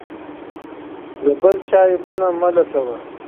د بل چا عیبونه مه لټوه.